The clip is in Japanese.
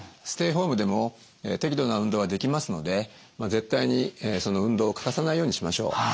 ステイホームでも適度な運動はできますので絶対に運動を欠かさないようにしましょう。